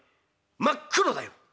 真っ黒だよ。